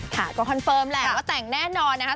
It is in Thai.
ค่ะก็คอนเฟิร์มแหละว่าแต่งแน่นอนนะคะ